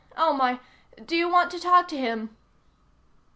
Oh, my. Do you want to talk to him?"